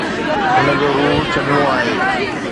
هن جو روح ڇڏڻو آهي.